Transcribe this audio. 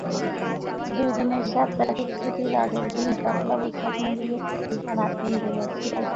দুই দিনের সাপ্তাহিক ছুটির আগের দিন পয়লা বৈশাখ মিলিয়ে টানা তিন দিনের ছুটি।